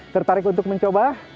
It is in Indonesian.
tertarik untuk mencoba